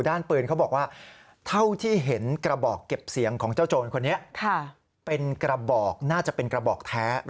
และการใช้กระบอกเก็บเสียงไม่ได้ใช้ง่าย